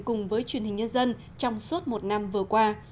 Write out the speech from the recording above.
cùng với truyền hình nhân dân trong suốt một năm vừa qua